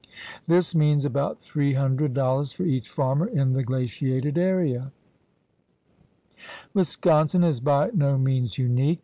This means about $300 for each farmer in the glaciated area. Wisconsin is by no means unique.